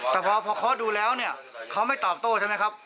แต่พอเคาะดูแล้วเนี่ยเขาไม่ตอบโต้ใช่ไหมครับ